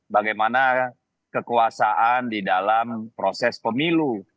bagaimana kekuasaan di dalam proses pemilu